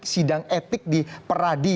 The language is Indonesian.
sidang etik di peradi